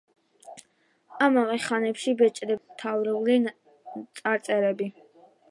ამავე ხანებში ბეჭდებზე გაჩნდა ასომთავრული წარწერები.